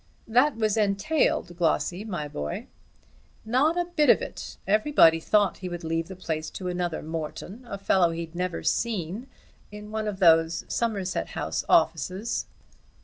"That was entailed, Glossy, my boy." "Not a bit of it. Everybody thought he would leave the place to another Morton, a fellow he'd never seen, in one of those Somerset House Offices.